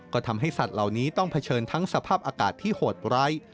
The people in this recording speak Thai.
ก็ทำให้สัตว์เหล่านี้ต้องเผชิญทั้งสภาพอากาศที่โหดร้าย